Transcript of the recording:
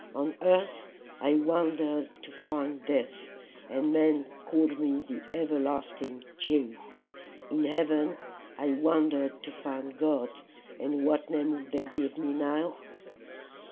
On earth I wandered to find death, and men called me the everlasting Jew; in heaven I wandered to find God, and what name would they give me now?